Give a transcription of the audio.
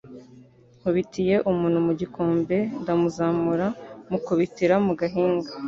Nkubitiye umuntu mu gikombe ndamuzamura mukubitira mugahinga